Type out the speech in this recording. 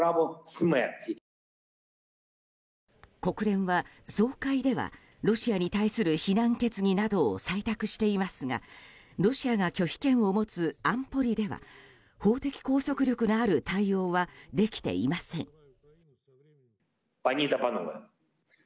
国連は、総会ではロシアに対する非難決議などを採択していますがロシアが拒否権を持つ安保理では法的拘束力のある対応はできていません。